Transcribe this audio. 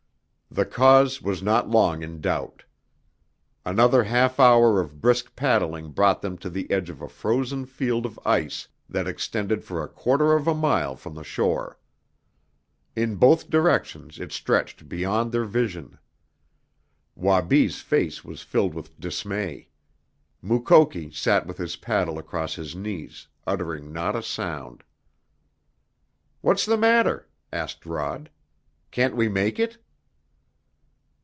The cause was not long in doubt. Another half hour of brisk paddling brought them to the edge of a frozen field of ice that extended for a quarter of a mile from the shore. In both directions it stretched beyond their vision. Wabi's face was filled with dismay. Mukoki sat with his paddle across his knees, uttering not a sound. "What's the matter?" asked Rod. "Can't we make it?"